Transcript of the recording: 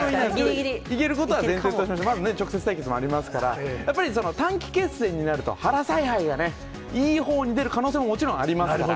いけることは前提としまして、直接対決もありますから、やっぱり短期決戦になると、原采配がね、いいほうに出る可能性ももちろんありますから。